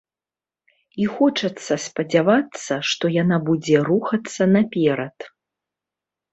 І хочацца спадзявацца, што яна будзе рухацца наперад.